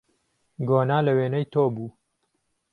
گۆنا له وێنهی تۆ بوو